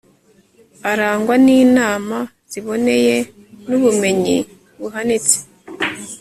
azarangwa n'inama ziboneye n'ubumenyi buhanitse